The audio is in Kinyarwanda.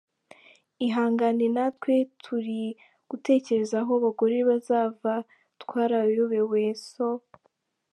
ihangane natwe turigutekereza aho abagore bazava twarayobewe so.